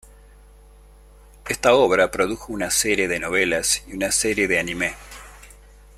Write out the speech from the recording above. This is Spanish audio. Esta obra produjo una serie de novelas y una serie de anime.